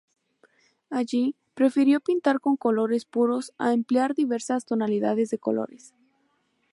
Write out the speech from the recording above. Allí, prefirió pintar con colores puros a emplear diversas tonalidades de colores.